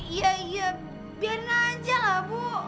iya iya biar aja lah bu